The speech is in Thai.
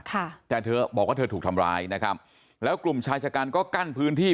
ค่ะแต่เธอบอกว่าเธอถูกทำร้ายนะครับแล้วกลุ่มชายชะกันก็กั้นพื้นที่